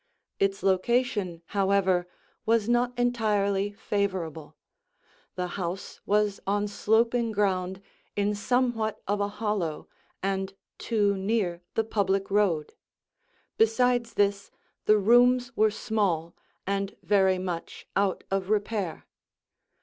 Its location, however, was not entirely favorable; the house was on sloping ground in somewhat of a hollow and too near the public road. Besides this, the rooms were small and very much out of repair.